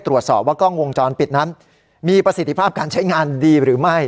ตรวจสอบว่ากล้องวงจรปิดนั้นมีประสิทธิภาพการใช้งานดีหรือไม่